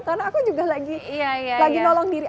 karena aku juga lagi nolong diri